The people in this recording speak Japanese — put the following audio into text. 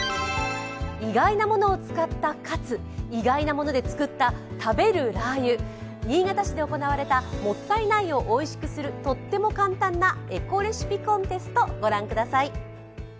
意外なものを使ったカツ、意外なもので作った食べるラー油、新潟市で行われたもったいないをおいしくするとっても簡単な、エコレシピコンテスト、ご覧ください。